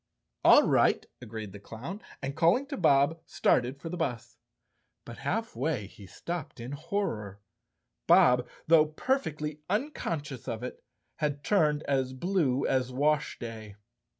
"All right," agreed the clown and, calling to Bob, started for the bus. But half way he stopped in horror. Bob, though perfectly unconscious of it, had turned as blue as washday.